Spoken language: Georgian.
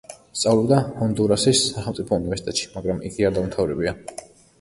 სწავლობდა ჰონდურასის სახელმწიფო უნივერსიტეტში, მაგრამ იგი არ დაუმთავრებია.